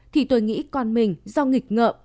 thì tôi nghĩ con mình do nghịch ngợm